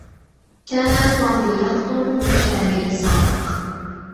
كان فاضل يقطن بـشارع صادق.